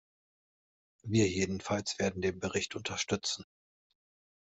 Wir jedenfalls werden den Bericht unterstützen.